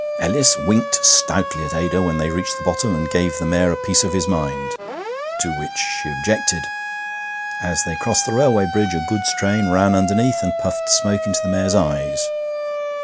Ellis winked stoutly at Ada when they reached the bottom, and gave the mare a piece of his mind, to which she objected. As they crossed the railway bridge a goods train ran underneath and puffed smoke into the mare's eyes.